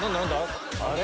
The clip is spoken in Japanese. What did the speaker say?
あれ？